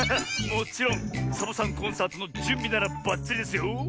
もちろんサボさんコンサートのじゅんびならばっちりですよ。